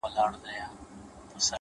چي زموږ څه واخله دا خيرن لاســـــونه!